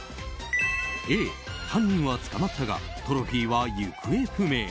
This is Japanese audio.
Ａ、犯人は捕まったがトロフィーは行方不明。